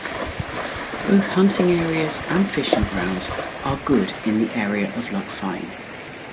Both hunting areas and fishing grounds are good in the area of Loch Fyne.